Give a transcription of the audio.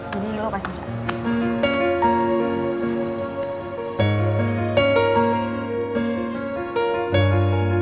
jadi lo pasti bisa